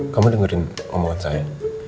kamu dengerin omongan saya